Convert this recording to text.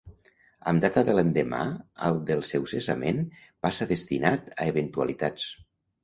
Amb data de l'endemà al del seu cessament passa destinat a Eventualitats.